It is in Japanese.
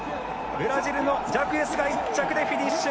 ブラジルのジャクエスが１着でフィニッシュ。